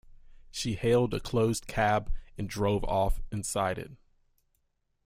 She hailed a closed cab and drove off inside it.